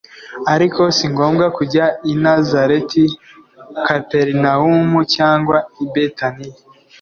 Ariko si ngombwa kujya i Nazareti, Kaperinawumu cyangwa i Betaniya